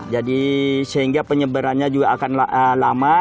jadi sehingga penyebarannya juga akan lama